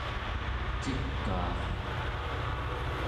cikaar